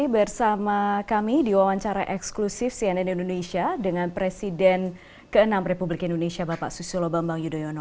bersama kami di wawancara eksklusif cnn indonesia dengan presiden ke enam republik indonesia bapak susilo bambang yudhoyono